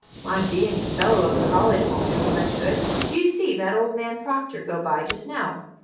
"My being a fellow of a college won't do me much good. Did you see that old man Proctor go by just now?"